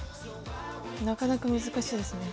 なかなか難しいですね。